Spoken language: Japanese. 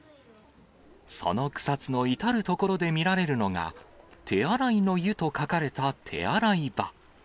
その草津の至る所で見られるのが、手洗乃湯と書かれた手洗い場。